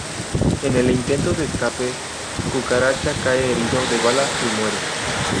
En el intento de escape, Cucaracha cae herido de bala y muere.